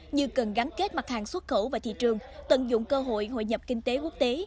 như cần gắn kết mặt hàng xuất khẩu và thị trường tận dụng cơ hội hội nhập kinh tế quốc tế